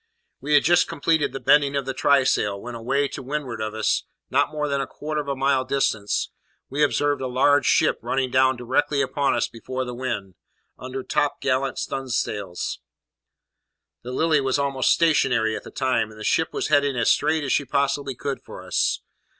We had just completed the bending of the trysail, when away to windward of us, not more than a quarter of a mile distant, we observed a large ship running down directly upon us before the wind, under topgallant stunsails. The Lily was almost stationary at the time; and the ship was heading as straight as she possibly could for us.